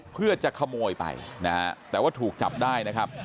เพื่อจะขโมยไปนะฮะแต่ว่าถูกจับได้นะครับ